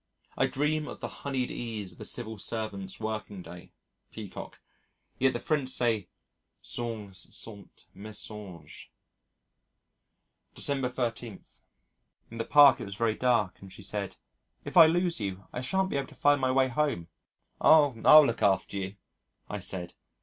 I dream of "the honeyed ease of the Civil Servant's working day" (Peacock). Yet the French say Songes sont mensonges. December 13. In the Park it was very dark and she said, "If I lose you I shan't be able to find my way home." "Oh! I'll look after you," I said.